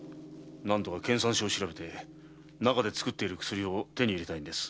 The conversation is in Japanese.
研鑽所を調べて中で作っている薬を手に入れたいのです。